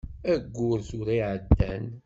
Ayyur tura i iɛeddan.